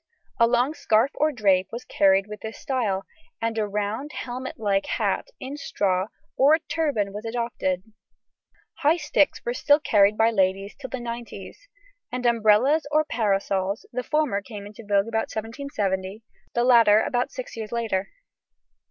A long scarf or drape was carried with this style, and a round helmet like hat in straw or a turban was adopted. High sticks were still carried by ladies till the nineties, and umbrellas or parasols; the former came into vogue about 1770, the latter about six years later.